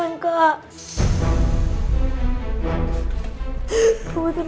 aku gak mau dimasukin ke panti asuhan